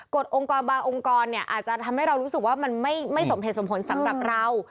องค์กรบางองค์กรเนี่ยอาจจะทำให้เรารู้สึกว่ามันไม่สมเหตุสมผลสำหรับเรา